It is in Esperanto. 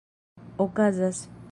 okazas